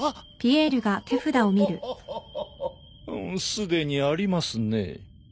すでにありますね。